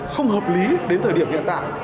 không hợp lý đến thời điểm hiện tại